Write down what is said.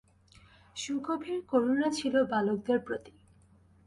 সুগভীর করুণা ছিল বালকদের প্রতি।